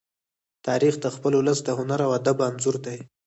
تاریخ د خپل ولس د هنر او ادب انځور دی.